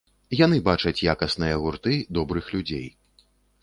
Яны бачаць якасныя гурты, добрых людзей.